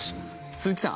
鈴木さん